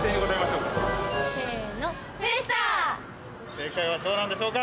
正解はどうなんでしょうか？